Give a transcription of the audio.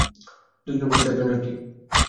দুইজন ক্রু, চারজন যাত্রী।